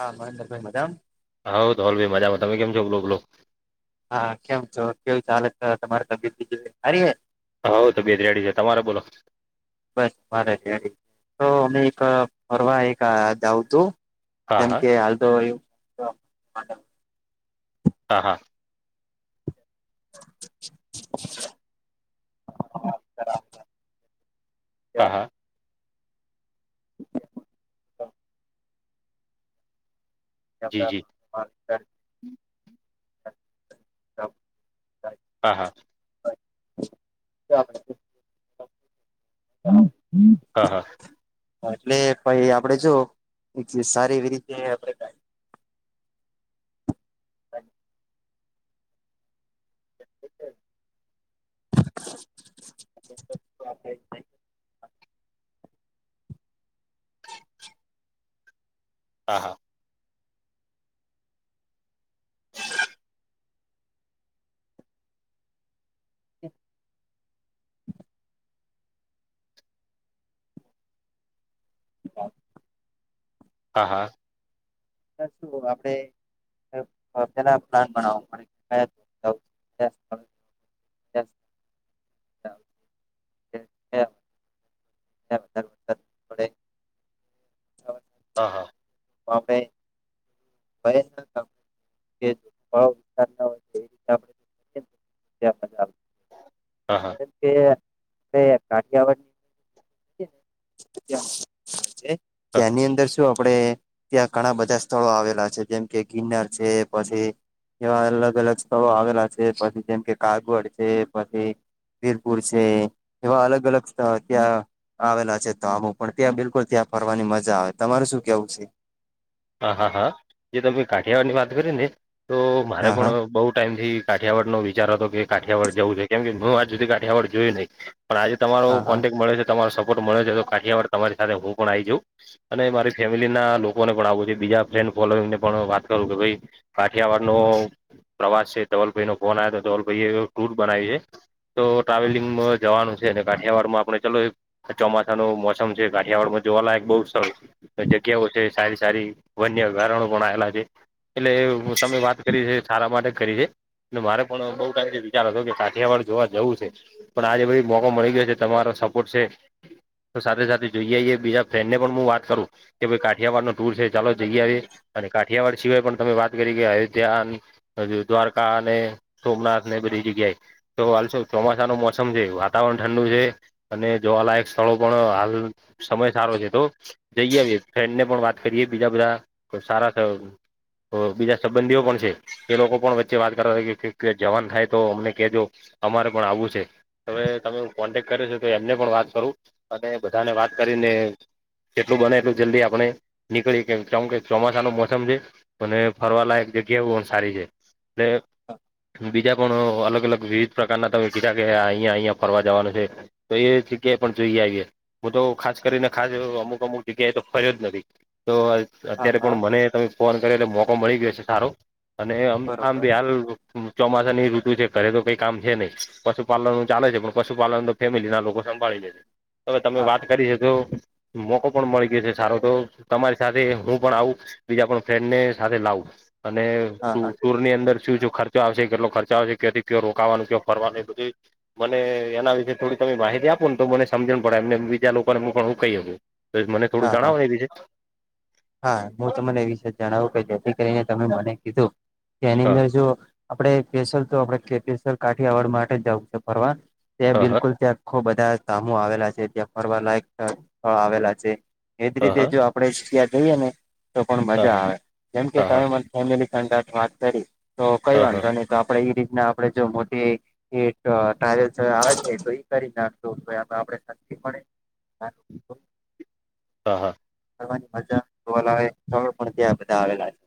હા, મહેન્દ્રભાઈ મજામ હા, ધવલભાઈ મજામાં તમે કેમ છો બોલો બોલો? હા, કેમ છો કેવું ચાલે તમારે તબિયત બીજું હરી હે હવ તબિયત રેડી છે તમારે બોલો. બસ મારે રેડી તો અમે એક ફરવા એક જઉ તું હા જેમ હા કે હાલતો હોયું. હા હા. બરાબર. હા હા. [inaudible] જી જી [unintelligible] હા હા. [inaudible] હા હા. એટલે પાઈ આપડે જો એક સારી એવી રીતે [inaudible] [inaudible] હા હા. બ હા હા. શું આપડે [unintelligible] એ હ એ [unintelligible] [unintelligible] હા હા. હ ભાઈ. ભ ભાવ વિતાર ના હોય એ રી આપ [unintelligible] હા હા. કે કોઈ વાર કાઠીયાવાડ જેની અંદર શું આપડે ત્યાં ઘણા બધા સ્થળો છે જેમ કે ગિરનાર છે પછી એવા અલગ અલગ સ્થળો આવેલા છે પછી જેમ કે કાગળ છે પછી વીરપુર છે એવા અલગઅલગ સ્થળ ત્યાં આવેલા છે તા હો પણ ત્યાં બિલકુલ ત્યાં ફરવાની મજા આવે. તમાર શું કેવું છે? હા, હા જે તમે કાઠિયાવાડની વાત કરી ને તો મારે હા પણ હા બહુ ટાઈમથી કાઠિયાવાડનો વિચાર હતો કે કાઠિયાવાડ જવું છે કેમ કે હું આજ સુધી કાઠિયાવાડ જોયું નહીં પણ આજે તમારો હા હા કોન્ટેક્ટ મળે છે તમારો સપોર્ટ મળે છે તો કાઠિયાવાર તમારે સાથે હું પણ આવી જાઉં અને મારી ફેમિલી ના લોકોને પણ આવું બીજા ફ્રેન્ડ ફોલોઈંગ ને પણ વાત કરું કે ભાઈ કાઠિયાવાડ નો પ્રવાસ છે ધવલભાઈ નો ફોન આવ્યો તો ધવલભાઈ એવ ટૂર બનાવી એ તો ટ્રાવેલિંગ મ જવાનું છે અને કાઠિયાવાડ માં આપણે ચાલો એક ચોમાસા નું મોસમ છે કાઠીયાવાડ માં જોવાલાયક બહુ સર જગ્યાઓ છે સારી સારી વન્ય અભ્યારણો પણ આવેલા છે એટલે તમે વાત કરી છે. સારા માટે જ કરી છે અને મારે પણ બહુ ટાઇમ થી વિચાર હતો કે કાઠિયાવાડ જોવા જવું છે. પણ આજે પછી મોકો મળી ગયો છે તમારો સપોર્ટ છે. તો સાથે સાથે જોઈએએ બીજા ફ્રેન્ડને પણ હું વાત કરું કે ભાઈ કાઠિયાવાડ નો ટુર છે. ચાલો જઈ આવીએ અને કાઠિયાવાડ સિવાય પણ તમે વાત કરી કે હવે ત્યાં અયોધ્યા હરી દ્વારકા અને સોમનાથ ને બધી જગ્યાએ તો વાાલશો ચોમાસા ન મોસમ છે વાતાવરણ ઠંડુ છે. અને જોવાલાયક સ્થળો પણ હાલ સમય સારો છે તો જઈ આવી એ ફ્રેન્ડ ને પણ વાત કરીએ બીજા બધા સારા અ બીજા સંબંધીઓ પણ છે. એ લોકો પણ વચ્ચે વાત કરવા જવાન થાય તો અમને કેજો અમારે પણ આવું છે. હવે તમે કોન્ટેક કર્યો તો એમને પણ વાત અને બધાને વાત કરીને જેટલું બને એટલું જલ્દી આપણે નીકળી કે. કેમ કે ચોમાસા નું મોસમ છે, અને ફરવાલાાયક જગ્યાઓ બહુ સારી છે. [unintelligible] બીજા પણ અલગ-અલગ વિવિધ પ્રકારના તમે કીધા કે અહિયાં-અહિયાં ફરવા જવાનું છે. તો એ જગ્યાએ પણ જઈ આઈએ હું તો ખાસ કરીને [unintelligible] અમુક-અમુક જગ્યાએ તો ફર્યો જ નથી. તો હા અત્યારે હા પણ મને તમે ફોન કર્યો એટલે મોકો મળી ગયો છે સારો અને અમ આમ બરોબર ભી હાલે એતો ચોમાસાની ઋતુ છે, ઘરે તો કંઈ કામ છે નહીં. પશુપાલન નું ચાલે છે, પણ પશુપાલનનું ફેમિલી ના લોકો સંભાળી લે છે. હવે તમે હા વાત કરી છે જો મોકો પણ મળી ગયો છે સારો તો તમારી સાથે હું પણ આવું, બીજા પણ ફ્રેન્ડને સાથે લાવું. અને હા હા ટુર ની અંદર શું-શું ખર્ચો આવશે, કેટલો ખર્ચો આવશે, કેથીક ક્યો રોકાવાનું કયો ફરવાનું ઈ બધુંઈ મને એના વિશે થોડી તમે માહિતી આપો ને તો મને સમજણ પડે એમનેમ બીજા લોકોને હું પણ હું કહી હકું. તો એક મને થોડું હા હા જણાવો એ વિશે. હા. હું તમને એ વિશે જણાવું કે જેથી કરીને તમે મને કીધું. કે એની હા અંદર જો આપણે સ્પેશલ તો આપણે [unintelligible] કાઠીયાવડ માટે જ જાઉં છે ફરવા. ત્યાં હા હા બિલકુલ ત્યાં આખો બધા ધામો આવેલા છે, ત્યાં ફરવાલાયક સ્થળ આવેલા છે. એજ હા રીતે જો આપણેે ત્યાં જઈએ ને તો પણ હા મજા હા આવે. જેમ કે હા તમે મને ફેમીલી [unintelligible] વાત કરી, તો કંઈ હા હા વાંધો નહીં, તો આપણે ઈ રીતના આપણે જો મોટી એક ટ્રાવેલ્સ આવે છે તો ઈ કરી નાખશું. [unintelligible] આપણે સસ્તી પડે [inaudible] હા, હા. ફરવાની મજા જોવા લાયક સ્થળ પણ ત્યાં બધા આવેલા છે.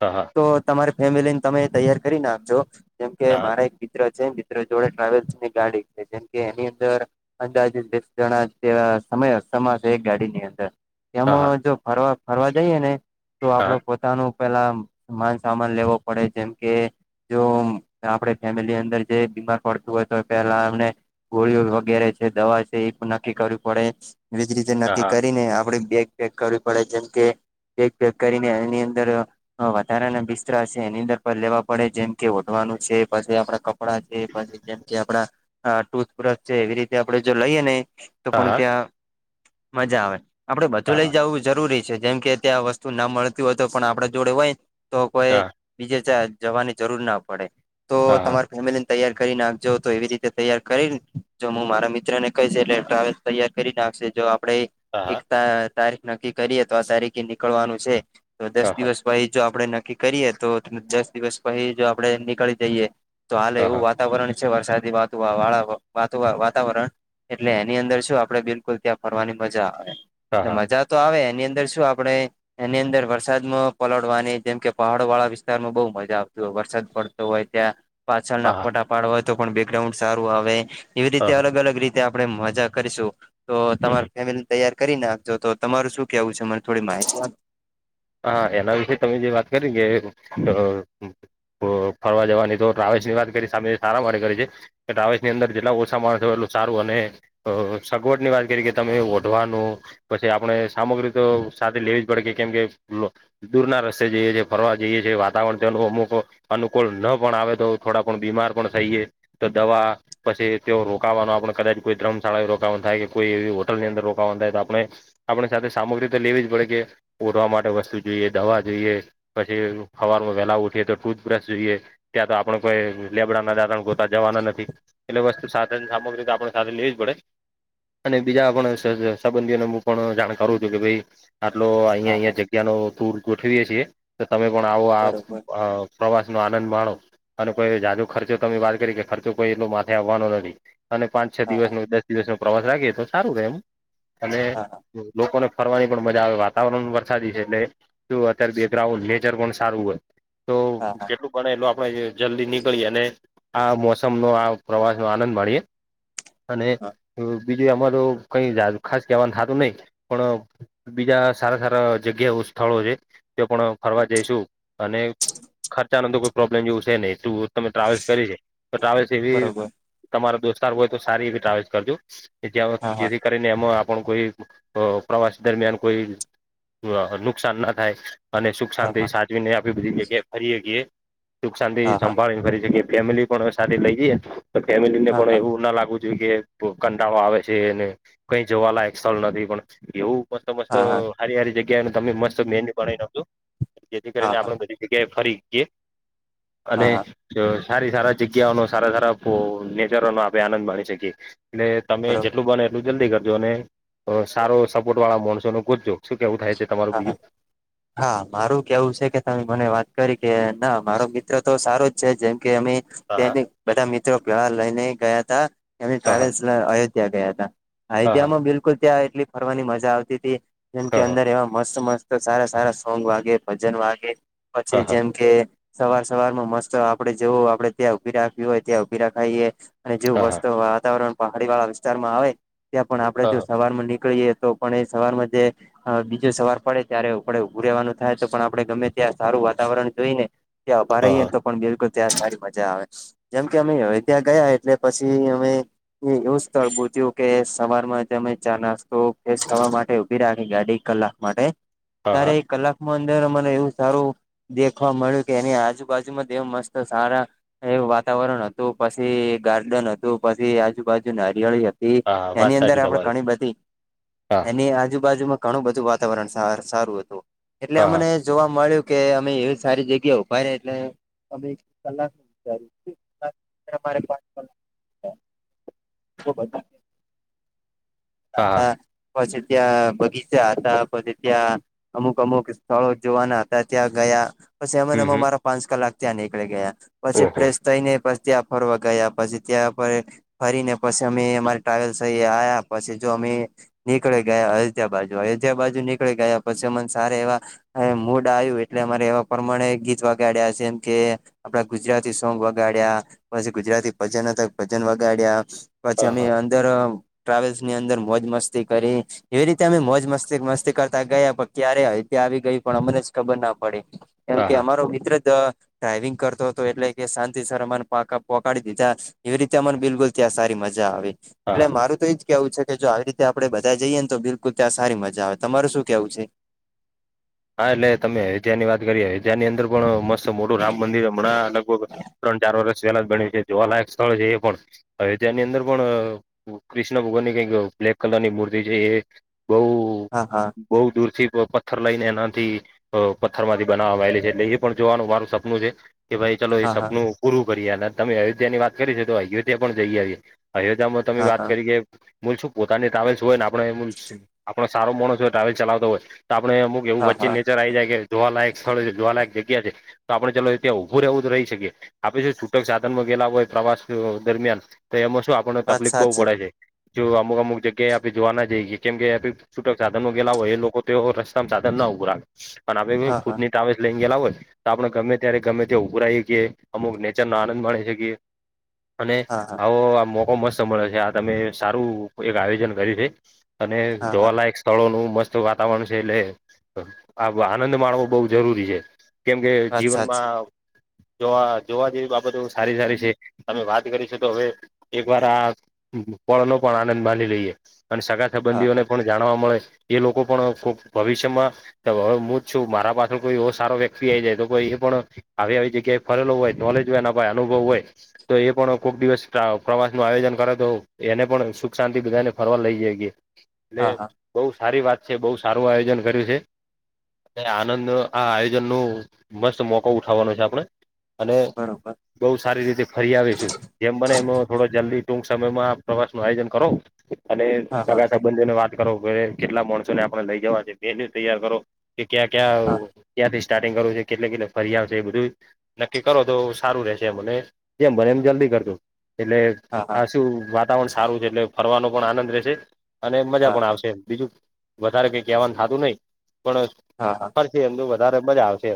હા હા તો તમારી ફેમિલીને તમે તૈયાર કરી નાખજો જેમ કે મારે એક. મિત્ર છે, મિત્ર જોડે ટ્રાવેલ્સની ગાડી છે જેમ કે એની અંદર. અંદાજે તીસ જણા ચ સમાઈ સમાશે એક ગાડી ની અંદર. હા હા હા હા એમાં જો ફરવા ફરવા જઈએ ને તો આપડે પોત. તાનો પેલા માલ-સામાન લેવો પડે જેમ કે. જો આપડે ફેમિલી અંદર જે બીમાર પડતું હોય તો પેલા એમને ગોળીઓ વગેરે છે, દવા છે, ઈ પન નક્કી કરવી પડે. ઈજ રીતે હા નક્કી હા કરીને આપડી બેગ પેક કરવી પડે છે. કે બેગ પેક કરીને એની અંદર. અં વધારાના બિસ્તરા છે એની અંદર પણ લેવા પડે, જેમ કે ઓઢવાનું છે, પછી આપડા કપ. કપડા છે, પછી જેમ કે આપડા ટુથબ્રશ છે, એવી રીતે આપણે જો લઈએ ને. તો હા હા હા હા હા પણ હા હા હા હા હા હા હા ત્યાં મજા આવે આપડે બધું લઇ જવું ઈ જરૂરી. છે જેમ કે ત્યાં વસ્તુ ના મળતી હોય તો પણ આપણે જોડે હોય તો કોઈ. બીજે ચા જવાની જરૂર ના પડે, તો તમારી ફેમિલીન. તૈયાર કરી નાખજો તો એવી રીતે તૈયાર કરીન જો હું મારા મિત્ર ને કહીશ એટલે ટ્રાવેલ. તૈયાર કરી નાખશે, જો આપડે. એક તા તારીખ નક્કી કરીએ તો આ તારીખે નીકળવાનું છેણતો દસ દિવસ. પહી જો આપડે નક્કી કરીએ, તો દસ દિવસ પહી જો આપડે નીકળી જઈએ તો હાલે એવું વાત. વાતાવરણ છે વરસાદી વાત વાળા વાતો વાતાવરણ. એટલે એની અંદર શું આપણે બિલકુલ ત્યાં ફરવાની મજા આવે એટલે મજા તો આવે એની અંદ. અંદર શું આપડે. એની અંદર વરસાદમાં પલળવાની, જેમ કે પહાડો વાળા વિસ્તારમાં બહુ મજા આવતી હોય, વરસાદ પડ. તું હોય ત્યાં પાછળ ના હા હા હા ફોટા પાડવા હોય તો પણ બેકગ્રાઉન્ડ સારું આવે એવી રીતે હા અલગ હા અલગ રીત. ત્યાં આપડે મજા કરીશું તો તમાર ફેમિલી ને તૈયાર કરી નાખજો તો તમારું શું કેવું છે. તમાને થોડી માહિતી આપ. હા એના વિષે તમે જે વાત કરી કે. ફરવા જવાની તો ટ્રાવેલ્સની વાત કરી સામે સારા માટે કરે છે. ટ્રાવેલ્સની ની અંદર જેટલા ઓછા માણસ હોય એટલું સારું અને. અ સગવડની વાત કરી કે તમે ઓઢવાનું પછી આપણે સામગ્રી તો. સાથે લેવી જ પડે કે કેમ કે દૂરના રસ્તે જઈએ છે ફરવા જઈએ છે વાતાવરણ તેનું અમુક નુ. અનુકૂળ ન પણ આવે તો થોડા પણ બીમાર પણ થઈએ તો દવા. પછી તેઓ રોકાવાનો આપણે કદાચ કોઈ ધર્મશાળા રોકવાનું થાય કે કોઈ એવી હોટલની અંદર રોકવાનું થાય તો આપણે. આપણે સાથે સામગ્રી તો લેવી જ પડે કે. ઓઢવા માટે વસ્તુ જોઈએ દવા જોઈએ પછી હવારમાં વહેલા ઉઠીએ તો ટૂથબ્રશ જોઈએ. ત્યાં તો આપણ કોઈ લેબડા ના દાતણ ગોતા જવાના નથી. એટલે વસ્તુ, સાધન, સામગ્રી તો આપડે સાથે લેવી જ પડે. અને બીજા પણ સંબંધીઓને હું પણ જાણ કારું છું કે ભઈ. આટલો અહીયા હા હા અયા જગ્યાનો ટુર ગોઠવીએ છીએ તો તમે પણ આવો આ. બરોબર પ્રવાસનો આનંદ માણો અને કોઈ જાદુ ખર્ચો તમે વાત કરી કે ખર્ચો કોઈ એટલો માથે આવવાનો નથી. અને પાંચ છ હા દિવસનો દસ દિવસનો પ્રવાસ રાખીએ તો સારું રહે એમ અને. હા લોકોને ફરવા ઈ. પણ મજા આવે વાતાવરણ વરસાદી છે એટલે અત્યારે બેકગ્રાઉન્ડ નેચર પણ સારું હોય. તો હા હા હા હા જેટલું બને એટલુ આપડે જલ્દી નીકળીએ ને અને. આ મોસમનો આ પ્રવાસનો આનંદ માણીએ. અને હા બીજુંય અમારુ કઈ ખાસ કહેવાનું થાતું નહી પણ બીજા સારા સારા જગ્યાઓ સ્થળો છે તે પણ ફરવા જઈશું અને ખર્ચાનો તો કોઈ પ્રોબ્લેમ જેવું છે નહી તું તમે ટ્રાવેલ્સ કરી તો ટ્રાવેલ્સ એવી બરોબર તમારા દોસ્તાર હોય તો સારી એવી ટ્રાવેલ્સ કરજો હા હા જેથી ને એમાં આપણ કોઈ પ્રવાસ દરમિયાન કોઈ અ નુકસાન ના થાય અને સુખ હા શાંતિ હા સાચ- આપી બધી જગ્યાએ ફરીએ હકીએ સુખ શાંતિને હા હા સંભાળીને ફરી શકીએ ફેમિલી પણ સાથે લઈ જઈએ તો ફેમિલી ને હા પણ હા એવું ના લાગુ- જોઈ કે કંટાળો આવે છે અને કઈ જોવાલાયક સ્થળ નથી પણ એવું મસ્ત મસ્ત હા હારી હારી જગ્યા તમે મસ્ત મેન્યુ બનાવી નાખજો જેથી કરીને હા હા આપડ બધી જગ્યાએ ફરી હકીએ અને હા હા તો સારી સારા જગ્યાઓનો સારા સારા નેચરોનો આપણે આનંદ માણી શકીએ ને તમે બરોબર જેટલું બને એટલું જલ્દી કરજો અને સારો સપોર્ટ વાળા મોણસોને ગોતજો શું કેવું થાય છે તમારું હા હા બીજું હા મારું કેવું છે કે તમે મને વાત કરી કે ના મારો મિત્ર તો સારો જ છે જેમ કે અમે હા ત્યાંથી બધા મિત્રો [unintelligible] લઈને ગયા હતા એની હા હા ટ્રાવેલ્સ અયોધ્યા ગયા હતા. અયોધ્યામાં હા માં બિલકુલ ત્યાં એટલી ફરવાની મજા આવતી હતી જેમ કે હા અંદર એ- મસ્ત મસ્ત સારા સારા સોંગ વાગે ભજન વાગે પછી હા હા જેમ કે સવાર સવારમાં મસ્ત આપડે જવું આપડે ત્યાં ઊભી રાખવી હોય ત્યાં ઊભી રખાઈએ અને જો હા વસ્તુ વાતાવરણ પહાડીવાળા વિસ્તારમાં આવે ત્યાં પણ આપણે હા જો સવારમાં નીકળીએ તો તો પણ એ સવારમા તે અ જે સવાર પડે ત્યારે આપડે ઊભું રેવાનું થાય તો પણ આપણે ગમે ત્યાં સારું વાતાવરણ જોઈને ત્યાં ઉભા હા હા રહીએ ને તો પણ બિલકુલ ત્યાં સારી મજા આવે જેમ કે અમે અયોધ્યા ગયા એટલે પછી અમે એવું સ્થળ પૂછ્યું કે સવારમાં તમે ચા નાસ્તો ફ્રેશ થવા માટે ઉભી રાખી ગાડી કલાક માટે તારે હા કલાકમાં અંદર મને એવું સારું દેખવા મળ્યું કે એની આજુબાજુમાં એમ મસ્ત સારા એવું વાતાવરણ હતું, પછી ગાર્ડન હતું, પછી આજુબાજુની હરિયાળી હતી. હા એની વાત અંદર સાચી આપડે તમારી ઘણી બધી, હા એની આજુબાજુમાં ઘણું બધું વાત વાતાવરણ સાર સારું હતું. એટલે હા હા અમને જ જોવા મળ્યું કે અમે એવી સારી જગ્યા ઉભા રહ્યા એટલે અમે એક કલાક [unintelligible] [unintelligible] [unintelligible] હા જાતા. પછી ત્યાં બગીચા હતા, પછી ત્યાં અમુક-અમુક સ્થળો જોવાના હતા ત્યાં ગયા. પછી અમાં ને હમ આમાં હમ મારા પાંચ કલાક ત્યાં નીકળી ગયા. પછી ઓહો ફ્રેશ થઈ ને પછી ત્યાં ફરવા ગયા પછી ત્યાં પર ફરીને પછી અમે અમારી ટ્રાવેલ્સે આયા. પછી જો અમે નીકળી ગયા અયોધ્યા બાજુ. અયોધ્યા બાજુ નીકળી ગયા પછી મને સારા એવા. હવે મૂડ આયું એટલે અમારે એવા પ્રમાણે ગીત વાગાડ્યા છે જેમકે. આપડા ગુજરાતી સોંગ વગાડ્યા. પછી ગુજરાતી ભજન હતા ભજન વગાડ્યા. પછી હા અમે હા અંદર ટ્રાવેલ્સની અંદર મોજ મસ્તી કરી. એવી રીતે અમે મોજ મસ્તી-મસ્તી કરતા ગયા, પણ ક્યારે અયોધ્યા આવી ગયુ પણ અમને જ ખબર ના પડી. એમ હા કે અમારો મિત્ર જ અ ડ્રાઈવિંગ કરતો હતો એટલે કે શાંતિ સર અમાને પાકા પોકાડી દીધા. એવી રીતે અમને બિલકુલ ત્યાં સારી મજા આવી એટલે હા મારું તો ઈજ કે આવું છે કે જો આવી રીતે આપડે બધા જઈએ ને તો બિલકુલ ત્યાં સારી મજા આવે તમારુ શું કેવું છે? હા, એટલે તમે હે ત્યા ની વાત કરી, હે ત્યા ની અંદર પણ મસ્ત તો મોટું રામ મંદિર હમણાં લગભગ ત્રણ ચાર વર્ષ જેના બને છે. જોવાલાયક સ્થળ છે એ પણ. અયોધ્યા તની અંદર પણ અહ ક્રિષ્ણ ભગવાનની કઈક બ્લેક કલરની મૂર્તિ છે એ બહુ હા હા. બહુ દૂર થી પથર લઈને આન થી પથ્થર માંથી બનાવાયેલી છે એટલે એ પણ જોવાનું મારું સપનું છે કે ભાઈ ચલો એ હા સપનું પૂરું કરીએ અને તમે અયોધ્યા ની વાત કરીને તો અયોધ્યા પણ જઈ આવીએ. અયોધ્યામાં તમે હા હા વાત હા કરીકે બોલ છું પોતાની ટ્રાવેલ્સ હોય ને આપડે આપણો સારો મોણસ ટ્રાવેલ ચલાવતો હોય તો આપણે અમુ એવું હા હા અત્યારે આવી જાય જોવાલાયક સ્થળ છે, જોવાલાયક જગ્યા છે. તો આપણે ચાલો એ ત્યાં ઊભું રહેવું જ રહી શકીએ. આપણે જો છૂટક સાધનમાં ગયેલા હોય પ્રવાસ દરમિયાન તો એમાં શું આપણને વાત તકલીફ બહુ સાચી પડે છે. જો અમુક-અમુક જગ્યાએ આપણે જોવા ના જઈએ કેમ કે આપે છૂટક સાધનો ગેલા હોય, એ લોકો તો રસ્તા માં સાધન ના હોય. પૂરા અને આપણે કેવું હા હા ખુદને ટ્રાવેસ લઈને ગેલા હોય તો આપણે ગમે ત્યારે ગમે ત્યા ઉભરાઈકીએ અમુ નેચર નો આનંદ માણી શકીએ. અને હા હા આવો આ મોકો મસ્ત મળે છે આ તમે સારું એક આયોજન કર્યું છે. અને હા હા જોવાલાયક સ્થળોનું મસ્ત વાતાવરણ છે એટલે આ આનંદ માણવો બહુ જરૂરી છે કેમ કે વાત સાચી જીવનમાં જોવા-જોવા જેવી બાબતો સારી-સારી છે. તમે વાત કરીશો તો હવે એક વાર આ પળ નો પણ આનંદ માણીલઈએ અને સગાત હા હા સબંધીઓને પણ જાણવા મળે એ લોકો પણ ભવિષ્યમાં હવે હું જ છું મારા પાછળ કોઈ એવો સારો વ્યક્તિ આ જાય તો કોઈ એ પણ આવી-આવી જગ્યાએ ફરેલો હોય નોલેજ એના પાહે હોય અનુભવ હોય. તો એ પણ કોક દિવસ પ્રવાસ નું આયોજન કરે તો એને પણ સુખ શાંતિ બધાને ફરવા જઈએ. લે હા હા એટલે બહુ સારી વાત છે. બઉ સારું આયોજન કર્યું છે. એ આનંદ ન આ આયોજનનુ મસ્ત મોકો ઉઠાવવાનો છે આપણે અને બરોબર બહુ સારી રીતે ફરી આવીશુ. જેમ બને એ થોડો જલ્દી ટૂંક સમયમાં પ્રવાસ નું આયોજન કરો. અને હા હા સગા સંબંધીઓને વાત કરો કેટલા મોણસો ને આપણે લઇ જવા છે. તે લિસ્ટ તૈયાર કરો. કે ક્યાં ક્યાં હા ક્યાંથી સ્ટાર્ટિંગ કરવું છે કેટલો કેટલે ફરી આવું છે બધું. નક્કી કરો તો સારું રહેેશે એમ અને જેમ બને એમ જલ્દી કરજો એટલે હા હા આ શું વાતાવરણ સારું છે એટલે ફરવાનો પણ આનંદ રહેશે. અને મજા હા પણ આવશે બીજું વધારે કઈ કહેવાનું થતું નહી પણ હા હા. પર છે એમ તો વધારેજ બરયા આવશે.